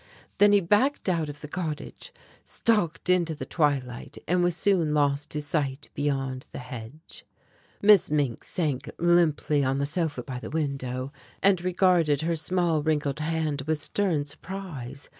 Then he backed out of the cottage, stalked into the twilight and was soon lost to sight beyond the hedge. Miss Mink sank limply on the sofa by the window, and regarded her small wrinkled hand with stern surprise.